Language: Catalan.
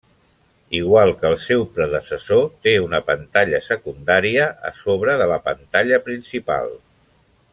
Igual que el seu predecessor, té una pantalla secundària a sobre de la pantalla principal.